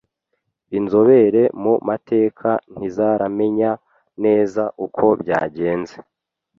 Inzobere mu mateka ntizaramenya neza uko byagenze.